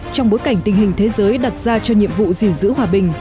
trong bối cảnh tình hình thế giới đặt ra cho nhiệm vụ dình dữ hòa bình